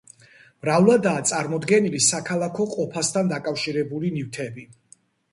მრავლადაა წარმოდგენილი საქალაქო ყოფასთან დაკავშირებული ნივთები.